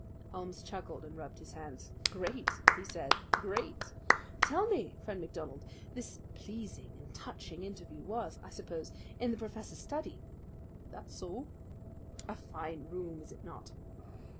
Holmes chuckled and rubbed his hands. "Great!" he said. "Great! Tell me, Friend MacDonald, this pleasing and touching interview was, I suppose, in the professor's study?" "That's so." "A fine room, is it not?"